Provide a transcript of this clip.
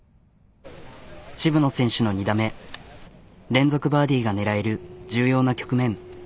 渋野選手の２打目連続バーディーが狙える重要な局面。